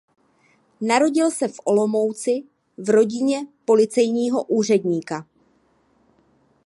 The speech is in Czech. Narodil se v Olomouci v rodině policejního úředníka.